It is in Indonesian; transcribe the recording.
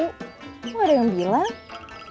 kok gak ada yang bilang